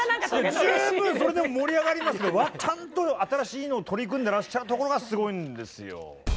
十分それでも盛り上がりますけどちゃんと新しいのを取り組んでらっしゃるところがすごいんですよ。